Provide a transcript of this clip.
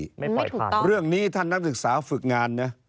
ไม่ปล่อยผ่านเรื่องนี้ท่านนักศึกษาฝึกงานนะ